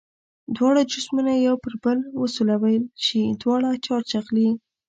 دواړه جسمونه یو پر بل وسولول شي دواړه چارج اخلي.